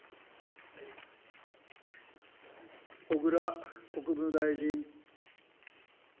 小倉国務大臣。